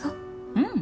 うん。